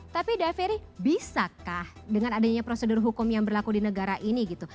tapi daveri bisakah dengan adanya prosedur hukum yang berlaku di negara ini gitu